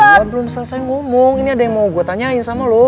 kalau belum selesai ngomong ini ada yang mau gue tanyain sama loh